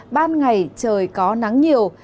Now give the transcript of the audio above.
ban ngày trời có nắng nhiều